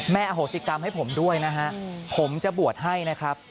อโหสิกรรมให้ผมด้วยนะฮะผมจะบวชให้นะครับ